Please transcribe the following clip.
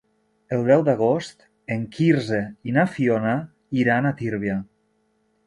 El deu d'agost en Quirze i na Fiona iran a Tírvia.